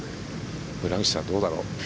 村口さん、どうだろう。